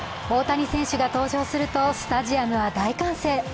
大谷選手が登場するとスタジアムは大歓声。